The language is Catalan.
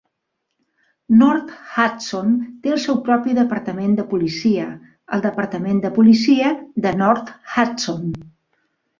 North Hudson té el seu propi departament de policia, el departament de policia de North Hudson.